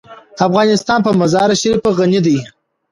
افغانستان په مزارشریف غني دی.